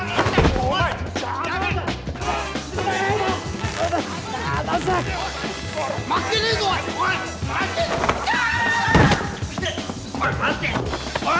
おい待ておい！